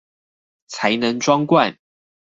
才能裝罐